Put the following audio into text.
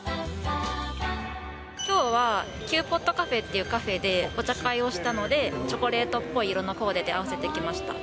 きょうは、キューポットカフェという所でカフェでお茶会をしたので、チョコレートっぽい色のコーデで合わせてきました。